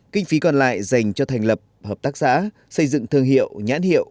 kinh phí còn lại dành cho thành lập hợp tác xã xây dựng thương hiệu nhãn hiệu